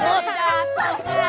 ya tak apa